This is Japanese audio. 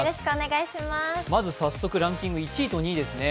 まず早速ランキング１位と２位ですね。